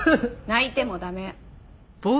泣いても駄目。